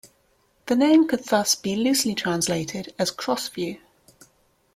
The name could thus be loosely translated as "crossview".